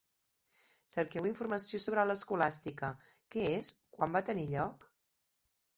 Cerqueu informació sobre l'escolàstica. Què és? Quan va tenir lloc?